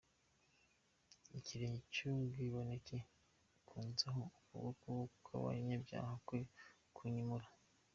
Ikirenge cy’umwibone cye kunzaho, Ukuboko kw’abanyabyaha kwe kunyimura.